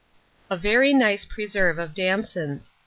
A VERY NICE PRESERVE OF DAMSONS.